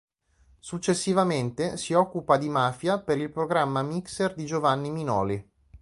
Successivamente, si occupa di mafia per il programma Mixer di Giovanni Minoli.